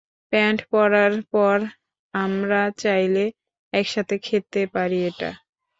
Pant পরার পর আমরা চাইলে একসাথে খেতে পারি এটা।